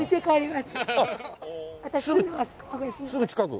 すぐ近く？